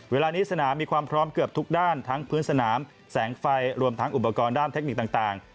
เวลานี้สนามมีความพร้อมเกือบทุกด้านทั้งพื้นสนามแสงไฟรวมทั้งอุปกรณ์ด้านเทคนิคต่าง